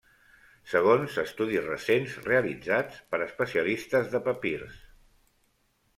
Segons estudis recents realitzats per especialistes de papirs.